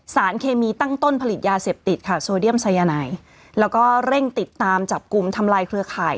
สารเคมีตั้งต้นผลิตยาเสพติดค่ะโซเดียมสายนายแล้วก็เร่งติดตามจับกลุ่มทำลายเครือข่าย